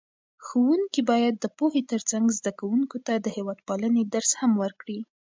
ښوونکي باید د پوهې ترڅنګ زده کوونکو ته د هېوادپالنې درس هم ورکړي.